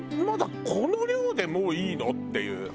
まだこの量でもういいの？っていう。